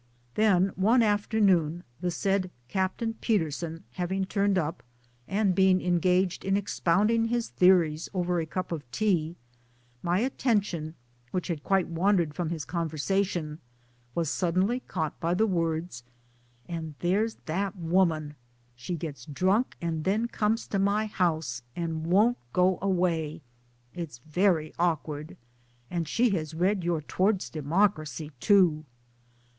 Then one afternoon, the said Captain Peterson having turned up and being engaged in expounding! his theories over a cup of tea my attention (which had quite wandered from his conversation) was sud denly caught by the words " and there's that woman, she gets drunk, and then comes to my house, and won't go away it's very awkward ! and she has read your Towards Democracy too."